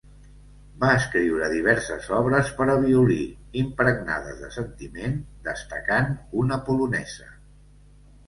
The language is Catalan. Va escriure diverses obres per a violí, impregnades de sentiment, destacant una polonesa.